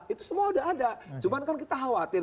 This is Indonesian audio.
itu semua sudah ada cuma kan kita khawatir